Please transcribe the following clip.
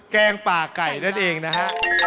แกงป่าไก่นั่นเองนะฮะ